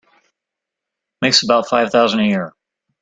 Makes about five thousand a year.